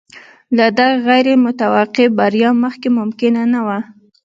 له دغې غیر متوقع بریا مخکې ممکنه نه وه.